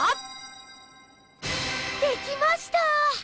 できました！